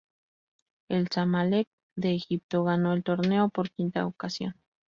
El Zamalek de Egipto ganó el torneo por quinta ocasión.